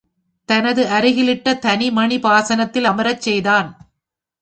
தனது அருகிலிட்ட தனி மணி பாசனத்தில் அமரச் செய்தான்.